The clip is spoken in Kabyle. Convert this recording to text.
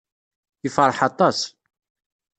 Yefṛeḥ aṭas.